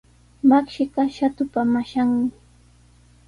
Makshiqa Shatupa mashanmi.